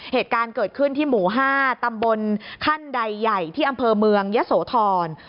เหตุการณ์เกิดขึ้นที่หมู่๕ตำบลขั้นใดใหญ่ที่อำเภอเมืองยะโสธร